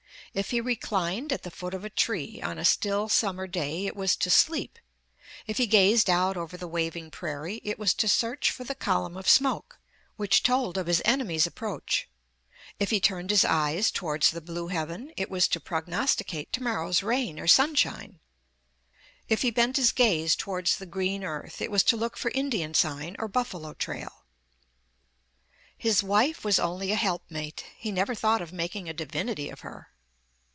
If he reclined at the foot of a tree, on a still summer day, it was to sleep; if he gazed out over the waving prairie, it was to search for the column of smoke which told of his enemies' approach; if he turned his eyes towards the blue heaven, it was to prognosticate tomorrow's rain or sunshine. If he bent his gaze towards the green earth, it was to look for 'Indian sign' or buffalo trail. His wife was only a helpmate; he never thought of making a divinity of her."